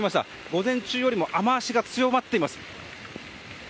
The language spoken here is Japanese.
午前中よりも雨脚が強まっています。